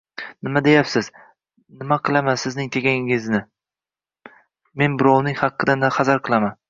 Nima deyapsiz?! Nima qilaman sizning teragingizni. Men birovning haqqidan hazar qilaman.